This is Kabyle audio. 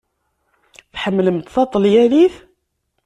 Tḥemmlemt taṭelyanit?